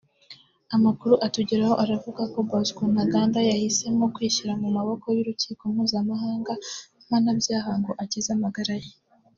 Amakuru atugeraho aravuga ko Bosco Ntaganda yahisemo kwishyira mu maboko y’urukiko mpuzamahanga mpanabyaha ngo akize amagara ye